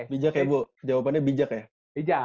bijak ya bu jawabannya bijak ya